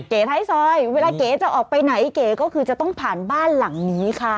เก๋ท้ายซอยเวลาเก๋จะออกไปไหนเก๋ก็คือจะต้องผ่านบ้านหลังนี้ค่ะ